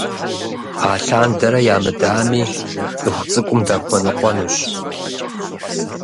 Алъандэрэ ямыдами, цӀыху цӀыкӀум дахуэныкъуэнущ.